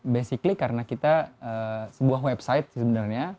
basically karena kita sebuah website sebenarnya